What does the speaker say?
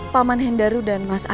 paman hendaru dan masyarakat